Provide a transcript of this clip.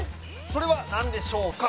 それはなんでしょうか？